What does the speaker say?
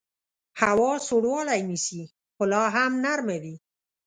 هوا سوړوالی نیسي خو لاهم نرمه وي